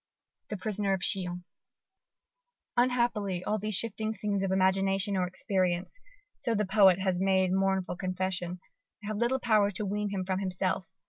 (The Prisoner of Chillon.) Unhappily, all these shifting scenes of imagination or experience so the poet has made mournful confession have little power to wean him from himself.